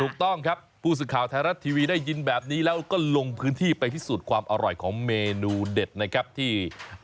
ถูกต้องครับผู้สื่อข่าวไทยรัฐทีวีได้ยินแบบนี้แล้วก็ลงพื้นที่ไปพิสูจน์ความอร่อยของเมนูเด็ดนะครับที่